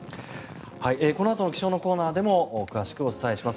このあとの気象のコーナーでも詳しくお伝えします。